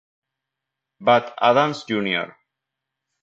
Bud Adams, Jr.